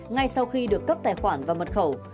ngay sau khi được cấp tài khoản và mật khẩu